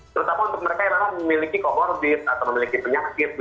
terutama untuk mereka yang memang memiliki komorbid atau memiliki penyakit begitu ya